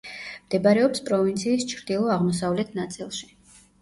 მდებარეობს პროვინციის ჩრდილო-აღმოსავლეთ ნაწილში.